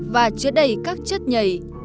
và chứa đầy các chất nhầy